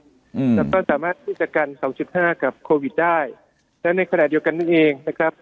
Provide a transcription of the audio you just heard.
อืมแล้วก็สามารถที่จะกันสองจุดห้ากับโควิดได้และในขณะเดียวกันนั่นเองนะครับ